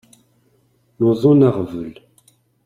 Nuḍen aɣbel.